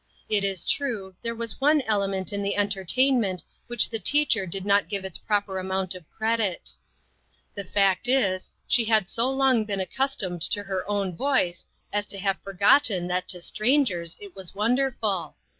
It is true there was one element in the entertainment which the teacher did not give its proper amount of credit. The fact is, she had so long been accustomed to her own voice as to have forgotten that to strangers it was wonderful.